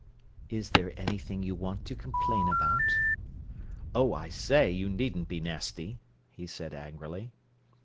"Is there anything you want to complain about?" "Oh, I say, you needn't be nasty," he said angrily.